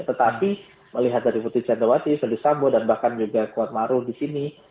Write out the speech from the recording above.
tetapi melihat dari putus chandrawati fadil sambo dan bahkan juga kuat maruf di sini